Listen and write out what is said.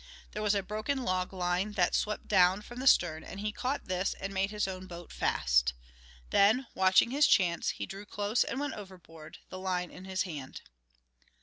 There was a broken log line that swept down from the stern, and he caught this and made his own boat fast. Then, watching his chance, he drew close and went overboard, the line in his hand.